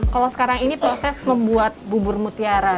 kalau sekarang ini proses membuat bubur mutiara